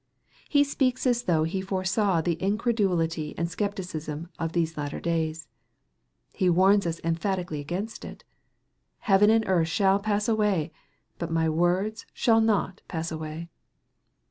He speaks as though he foresaw the incredulity and scepticism of these latter days. He warns us emphati cally against it :" Heaven and earth shall pass away, but my words shall not pass away."